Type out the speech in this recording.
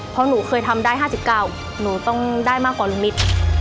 เพราะหนูเคยทำได้๕๙หนูต้องได้มากกว่าลุงมิตร